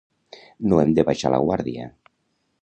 No hem de baixar la guàrdia.